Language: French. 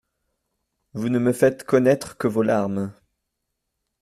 Vous ne me faites connaître que vos larmes.